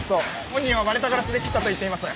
本人は割れたガラスで切ったと言っています。